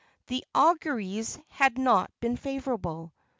The auguries had not been favorable.